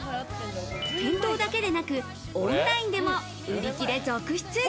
店頭だけでなく、オンラインでも売り切れ続出。